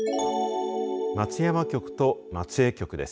松山局と松江局です。